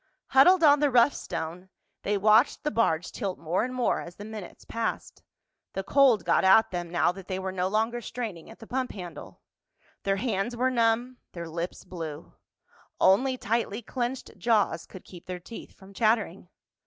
Huddled on the rough stone, they watched the barge tilt more and more as the minutes passed. The cold got at them now that they were no longer straining at the pump handle. Their hands were numb, their lips blue. Only tightly clenched jaws could keep their teeth from chattering.